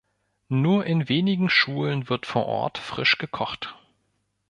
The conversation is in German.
Nur in wenigen Schulen wird vor Ort frisch gekocht.